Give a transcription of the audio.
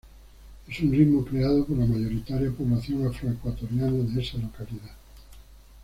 Es un ritmo creado por la mayoritaria población afro-ecuatoriana de esa localidad.